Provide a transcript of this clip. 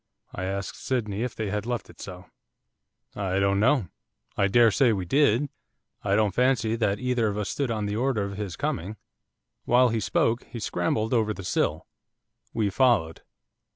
I asked Sydney if he had left it so. 'I don't know, I dare say we did; I don't fancy that either of us stood on the order of his coming.' While he spoke, he scrambled over the sill. We followed.